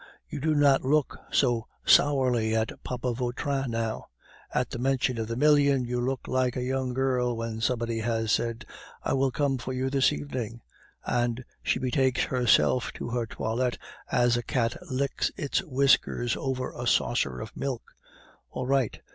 you do not look so sourly at papa Vautrin now! At the mention of the million you look like a young girl when somebody has said, 'I will come for you this evening!' and she betakes herself to her toilette as a cat licks its whiskers over a saucer of milk. All right.